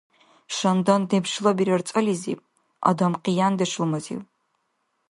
Шандан дебшлабирар цӀализиб, адам — къияндешлумазив.